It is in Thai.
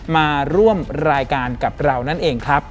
มาร่วมรายการกับเรานั่นเองครับ